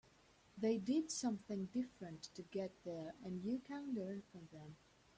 They did something different to get there and you can learn from them.